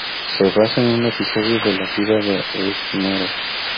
Se basa en un episodio de la vida de Ricimero.